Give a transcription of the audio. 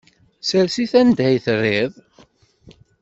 Ssers-it anda ay trid.